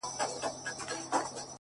خدايه نری باران پرې وكړې!!